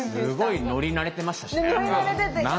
すごい乗り慣れてましたしね。